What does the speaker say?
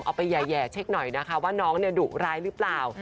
เอาไปแห่เช็คหน่อยนะคะว่าน้องดุร้ายหรือเปล่า